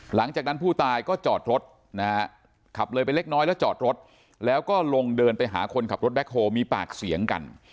หลังจากนั้นผู้ตายก็จอดรถนะฮะขับเลยไปเล็กน้อยแล้วจอดรถแล้วก็ลงเดินไปหาคนขับรถแบ็คโฮมีปากเสียงกัน